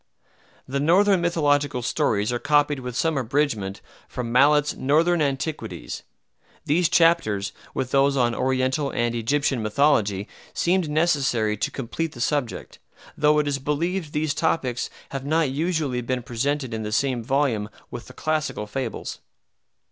The Northern mythological stories are copied with some abridgment from Mallet's "Northern Antiquities." These chapters, with those on Oriental and Egyptian mythology, seemed necessary to complete the subject, though it is believed these topics have not usually been presented in the same volume with the classical fables.